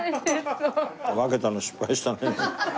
分けたの失敗したね。